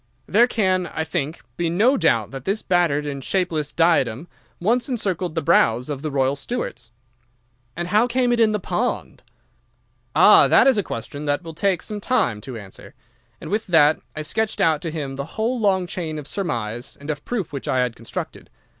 There can, I think, be no doubt that this battered and shapeless diadem once encircled the brows of the royal Stuarts.' "'And how came it in the pond?' "'Ah, that is a question that will take some time to answer.' And with that I sketched out to him the whole long chain of surmise and of proof which I had constructed.